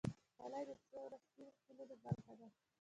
خولۍ د ځینو رسمي محفلونو برخه ده.